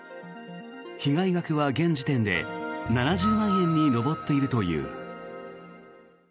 被害額は現時点で７０万円に上っているという。